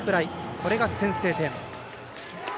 これが先制点。